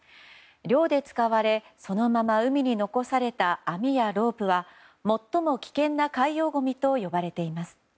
漁で使われそのまま海に残された網やロープは最も危険な海洋ごみと呼ばれています。